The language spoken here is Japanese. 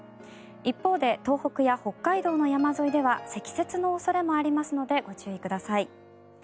一方で東北や北海道の山沿いでは積雪の恐れもありますのでご注意ください。